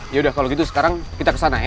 yaudah kalau gitu sekarang kita kesana ya